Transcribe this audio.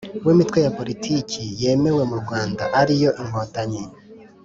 W imitwe ya politiki yemewe mu rwanda ariyo inkotanyi